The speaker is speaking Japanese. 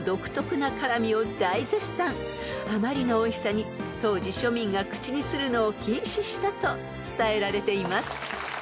［あまりのおいしさに当時庶民が口にするのを禁止したと伝えられています］